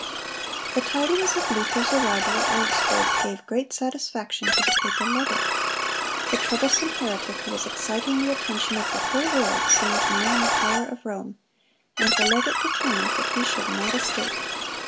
(181) The tidings of Luther's arrival at Augsburg gave great satisfaction to the papal legate. The troublesome heretic who was exciting the attention of the whole world seemed now in the power of Rome, and the legate determined that he should not escape.